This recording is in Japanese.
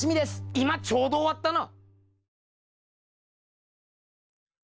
今ちょうど終わったな！